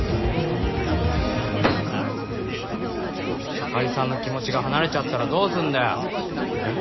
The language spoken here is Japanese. あかりさんの気持ちが離れちゃったらどうすんだよえっ？